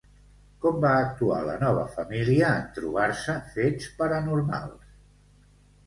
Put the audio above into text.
Com va actuar, la nova família, en trobar-se fets paranormals?